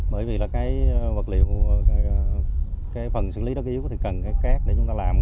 bởi vì phần xử lý đất yếu thì cần cát để chúng ta làm